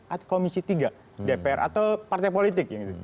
atau komisi tiga dpr atau partai politik